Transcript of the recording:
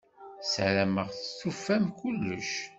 Sarameɣ tufam kullec.